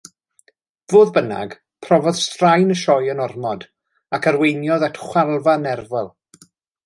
Fodd bynnag, profodd straen y sioe yn ormod, ac arweiniodd at chwalfa nerfol.